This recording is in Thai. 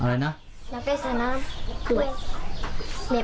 อยากได้สนามด้วย